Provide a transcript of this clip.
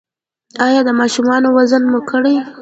ایا د ماشومانو وزن مو کړی؟